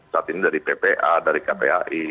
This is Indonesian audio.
saat ini dari ppa dari kpai